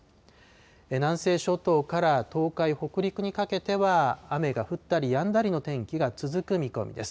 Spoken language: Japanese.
南西諸島から東海、北陸にかけては、雨が降ったりやんだりの天気が続く見込みです。